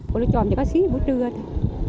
cù lao chàm chỉ có xíu bữa trưa thôi